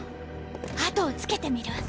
あとをつけてみる？